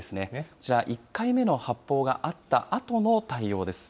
こちら、１回目の発砲があったあとの対応です。